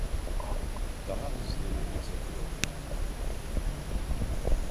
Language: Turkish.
Daha hızlı nefes alıyordu.